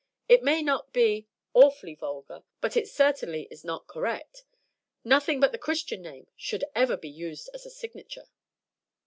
It may not be 'awfully vulgar,' but it certainly is not correct; nothing but the Christian name should ever be used as a signature."